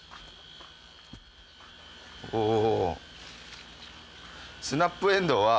おお！